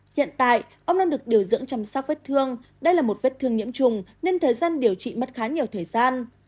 hiện tại ông đang được điều dưỡng chăm sóc vết thương đây là một vết thương nhiễm trùng nên thời gian điều trị mất khá nhiều thời gian